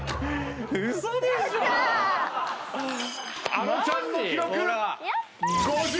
あのちゃんの記録。